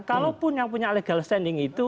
kalaupun yang punya legal standing itu